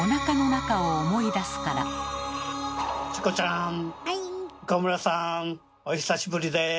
チコちゃん岡村さんお久しぶりです。